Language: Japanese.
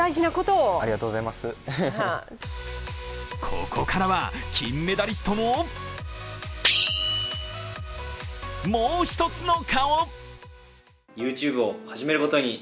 ここからは金メダリストのもう一つの顔。